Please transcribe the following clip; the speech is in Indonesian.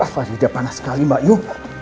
faridah panas sekali mbak yu